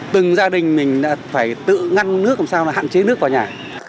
từng gia đình mình đã phải tự ngăn nước làm sao hạn chế nước vào nhà